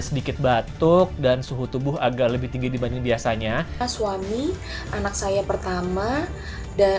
sedikit batuk dan suhu tubuh agak lebih tinggi dibanding biasanya suami anak saya pertama dan